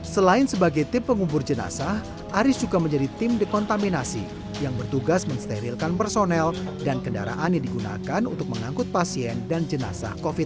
selain sebagai tim pengubur jenazah aris juga menjadi tim dekontaminasi yang bertugas mensterilkan personel dan kendaraan yang digunakan untuk mengangkut pasien dan jenazah covid sembilan belas